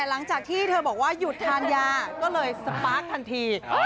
หลังจากที่เธอบอกว่าหยุดทานยาก็เลยสปาร์คทันที